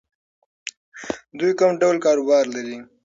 دوی کوم ډول کاروبار لري؟